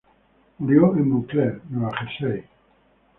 Murió en Montclair, Nueva Jersey.